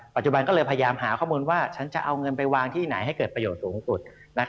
ปัจจุบันก็เลยพยายามหาข้อมูลว่าฉันจะเอาเงินไปวางที่ไหนให้เกิดประโยชน์สูงสุด